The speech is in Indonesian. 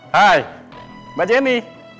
hai mbak jenny